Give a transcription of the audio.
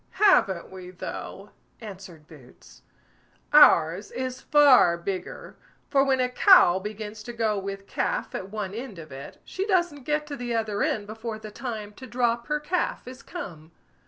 "Haven't we though!" answered Boots; "ours is far bigger; for when a cow begins to go with calf at one end of it, she doesn't get to the other end before the time to drop her calf is come."